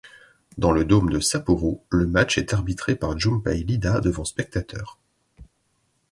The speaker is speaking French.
Dans le Dôme de Sapporo, le match est arbitré par Jumpei Iida devant spectateurs.